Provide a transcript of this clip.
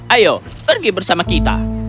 ayo pergi bersama kita